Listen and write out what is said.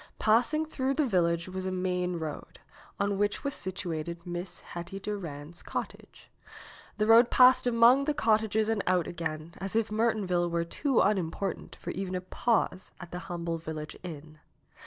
Passing through the village was a main road, on which was situated Miss Hetty Durand's cottage. The road passed among the cottages and out again, as if Mertonville were too unimportant for even a pause at the humble village inn.